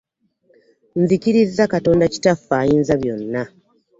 Nzikirizza Katonda kitaffe ayinza byonna.